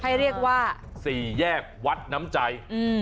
ให้เรียกว่าสี่แยกวัดน้ำใจอืม